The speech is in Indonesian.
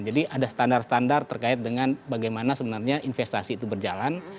jadi ada standar standar terkait dengan bagaimana sebenarnya investasi itu berjalan